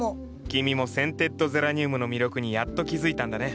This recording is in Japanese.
君もセンテッドゼラニウムの魅力にやっと気付いたんだね。